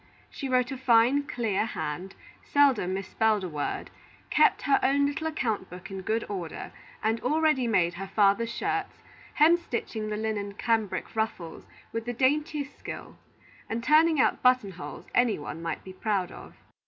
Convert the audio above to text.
She wrote a fine, clear hand, seldom misspelled a word, kept her own little account book in good order, and already made her father's shirts, hemstitching the linen cambric ruffles with the daintiest skill, and turning out button holes any one might be proud of.